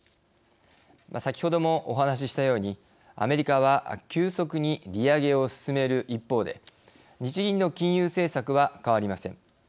先ほども、お話ししたようにアメリカは急速に利上げを進める一方で日銀の金融政策は変わりません。